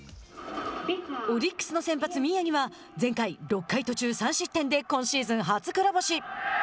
オリックスの先発宮城は前回、６回途中３失点で今シーズン初黒星。